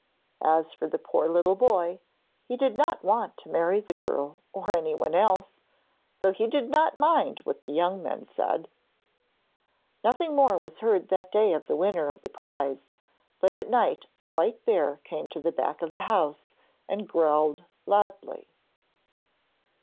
As for the poor little boy, he did not want to marry the girl or anyone else, so he did not mind what the young men said. Nothing more was heard that day of the winner of the prize, but at night a white bear came to the back of the house, and growled loudly.